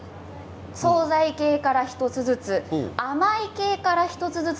総菜系から１つずつ甘い系から１つずつ。